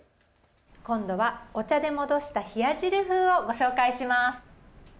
今度はお茶で戻した冷や汁風をご紹介します。